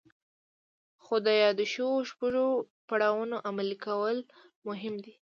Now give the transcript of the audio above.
خو د يادو شويو شپږو پړاوونو عملي کول مهم دي.